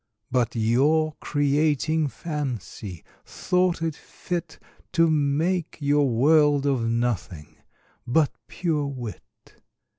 But your Creating Fancy, thought it fit To make your World of Nothing, but pure Wit.